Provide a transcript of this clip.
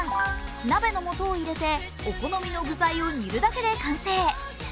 鍋の具材を入れて、お好みの具材を煮るだけで完成。